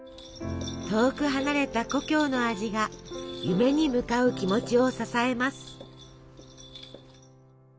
遠く離れた故郷の味が夢に向かう気持ちを支えます。